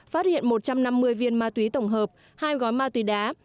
phát hiện một trăm năm mươi viên ma túy tổng hợp hai gói ma túy đá